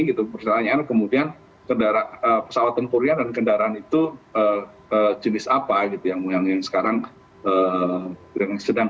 itu pertanyaan kemudian kendaraan pesawat tempur yang dan kendaraan itu jenis apa yang sekarang